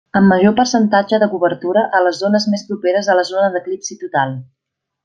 Amb major percentatge de cobertura a les zones més properes a la zona d'eclipsi total.